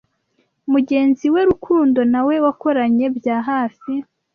Mugenzi we Rukundo na we wakoranye bya hafi